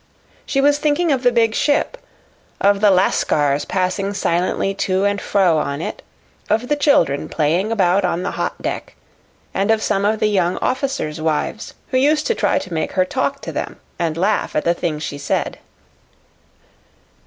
She was thinking of the big ship, of the Lascars passing silently to and fro on it, of the children playing about on the hot deck, and of some young officers' wives who used to try to make her talk to them and laugh at the things she said.